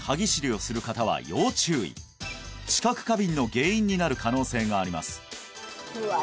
知覚過敏の原因になる可能性がありますうわ